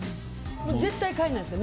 絶対買えないんですか？